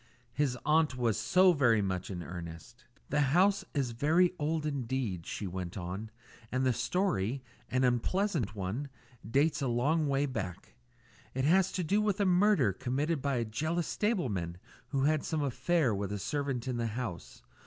His aunt was so very much in earnest. "The house is very old indeed," she went on, "and the story an unpleasant one dates a long way back. It has to do with a murder committed by a jealous stableman who had some affair with a servant in the house.